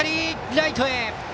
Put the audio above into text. ライトへ！